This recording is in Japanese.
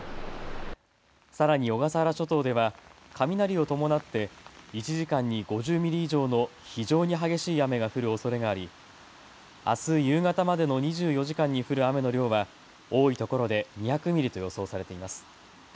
さらに小笠原諸島では雷を伴って１時間に５０ミリ以上の非常に激しい雨が降るおそれがあり、あす夕方までの２４時間に降る雨の量は多いところで２００ミリと予想されています。